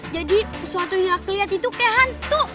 jadi sesuatu yang aku liat itu kayak hantu